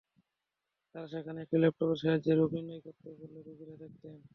তাঁরা সেখানে একটি ল্যাপটপের সাহায্যে রোগ নির্ণয় করতেন বলে রোগীদের দেখাতেন।